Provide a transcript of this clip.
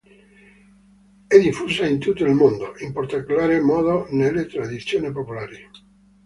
È diffusa in tutto il mondo, in particolar modo nelle tradizioni popolari.